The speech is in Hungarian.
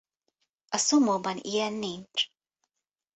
A szumóban ilyen nincs.